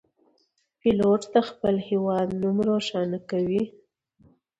پیلوټ د خپل هیواد نوم روښانه کوي.